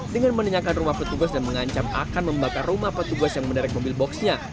dengan mendengarkan rumah petugas dan mengancam akan membakar rumah petugas yang menderek mobil boxnya